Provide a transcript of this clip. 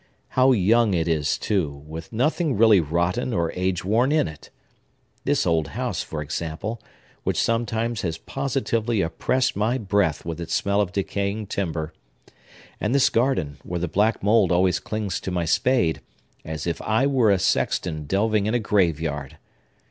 How young it is, too, with nothing really rotten or age worn in it! This old house, for example, which sometimes has positively oppressed my breath with its smell of decaying timber! And this garden, where the black mould always clings to my spade, as if I were a sexton delving in a graveyard!